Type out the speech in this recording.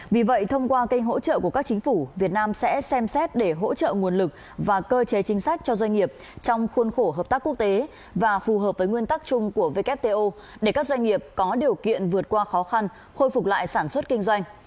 vì vậy thông qua kênh hỗ trợ của các chính phủ việt nam sẽ xem xét để hỗ trợ nguồn lực và cơ chế chính sách cho doanh nghiệp trong khuôn khổ hợp tác quốc tế và phù hợp với nguyên tắc chung của wto để các doanh nghiệp có điều kiện vượt qua khó khăn khôi phục lại sản xuất kinh doanh